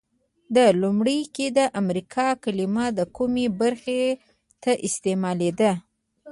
لومړیو کې د امریکا کلمه د کومې برخې ته استعمالیده؟